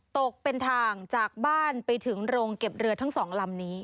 ตกเป็นทางจากบ้านไปถึงโรงเก็บเรือทั้งสองลำนี้